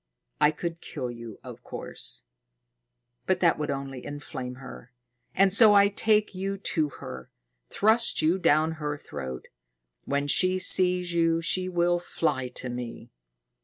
I could kill you, of course; but that would only inflame her. And so I take you to her, thrust you down her throat. When she sees you, she will fly to me."